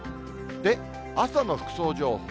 で、朝の服装情報。